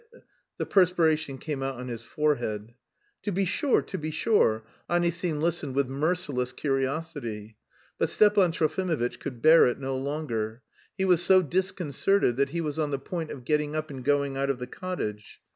The perspiration came out on his forehead. "To be sure, to be sure." Anisim listened with merciless curiosity. But Stepan Trofimovitch could bear it no longer. He was so disconcerted that he was on the point of getting up and going out of the cottage.